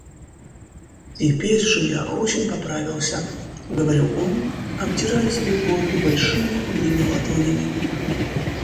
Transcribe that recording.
Теперь же я очень поправился, — говорил он, обтирая свою бороду большими худыми ладонями.